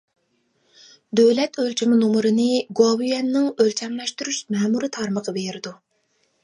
دۆلەت ئۆلچىمى نومۇرىنى گوۋۇيۈەننىڭ ئۆلچەملەشتۈرۈش مەمۇرىي تارمىقى بېرىدۇ.